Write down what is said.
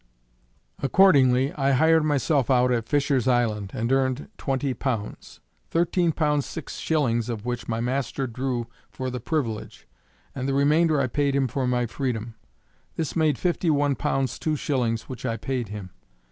Accordingly, I hired myself out at Fisher's Island, and earned twenty pounds; thirteen pounds six shillings of which my master drew for the privilege, and the remainder I paid him for my freedom. This made fifty one pounds two shillings which I paid him.